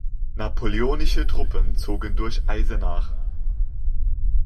Napoleonische Truppen zogen durch Eisenach.